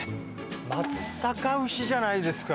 松阪牛じゃないですか。